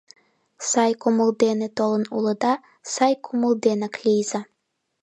— Сай кумыл дене толын улыда, сай кумыл денак лийза.